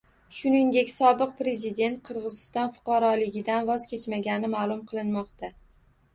Shuningdek, sobiq prezident Qirg‘iziston fuqaroligidan voz kechmagani ma’lum qilinmoqda